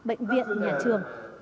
bệnh viện nhà trường